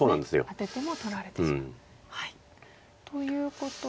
アテても取られてしまう。ということで。